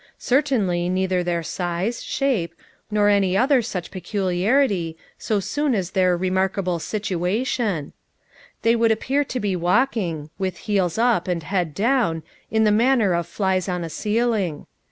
Certainly neither their shape, size, nor any other such peculiarity, so soon as their remarkable situation. They would appear to be walking, with heels up and head down, in the manner of flies on a ceiling.